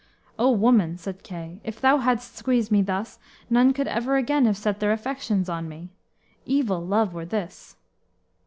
"O woman," said Kay, "if thou hadst squeezed me thus, none could ever again have set their affections on me. Evil love were this."